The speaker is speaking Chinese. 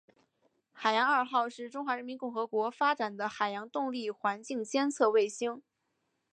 海洋二号是中华人民共和国发展的海洋动力环境监测卫星。